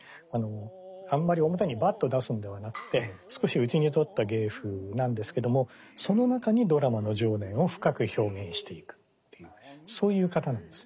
あんまり表にバッと出すのではなくて少し内にとった芸風なんですけどもその中にドラマの情念を深く表現していくっていうそういう方なんです。